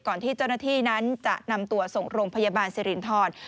ที่เจ้าหน้าที่นั้นจะนำตัวส่งโรงพยาบาลสิรินทร